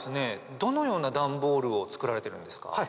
どのようなダンボールを作られてるんですか？